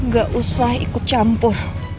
gak usah ikut campur